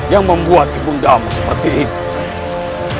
yang membuat ibu enggakmu seperti itu